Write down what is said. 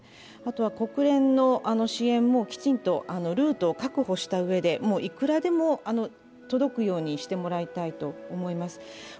国連の支援もきちんとルートを確保したうえで、いくらでも届くようにしてもらいたいと思います。